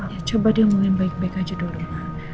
ya coba dia omongin baik baik aja dulu ma